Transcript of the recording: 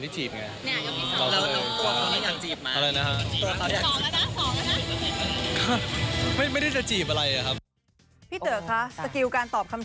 ฉันจะจีบเขาไหมเพราะตอนนี้เขาโสดแล้ว